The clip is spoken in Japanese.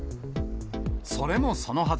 それもそのはず。